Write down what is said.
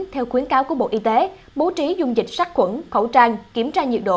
theo khuyến cáo của bộ y tế bố trí dung dịch sát quẩn khẩu trang kiểm tra nhiệt độ